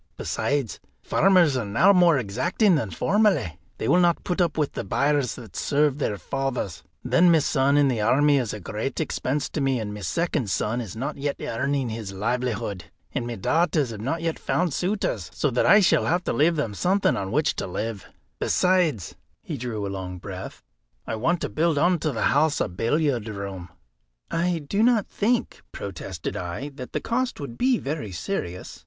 Besides, farmers are now more exacting than formerly; they will not put up with the byres that served their fathers. Then my son in the army is a great expense to me, and my second son is not yet earning his livelihood, and my daughters have not yet found suitors, so that I shall have to leave them something on which to live; besides" he drew a long breath "I want to build on to the house a billiard room." "I do not think," protested I, "that the cost would be very serious."